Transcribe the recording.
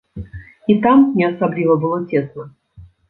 І там не асабліва было цесна.